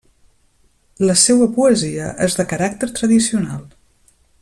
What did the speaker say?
La seua poesia és de caràcter tradicional.